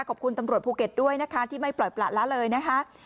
ตำรวจภูเก็ตด้วยนะคะที่ไม่ปล่อยประละเลยนะคะ